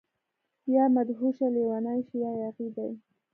يا مدهوشه، لیونۍ شي يا ياغي دي